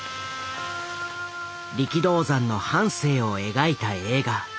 力道山の半生を描いた映画。